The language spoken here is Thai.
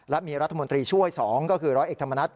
และมีรัฐมนตรีช่วย๒ก็คือร้อยเอกธรรมนัฐ